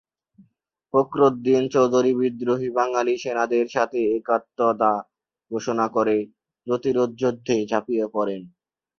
ফখরুদ্দিন চৌধুরী বিদ্রোহী বাঙালি সেনাদের সাথে একাত্মতা ঘোষণা করে প্রতিরোধযুদ্ধে ঝাঁপিয়ে পড়েন।